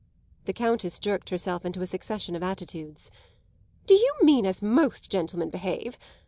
The Countess jerked herself into a succession of attitudes. "Do you mean as most gentlemen behave?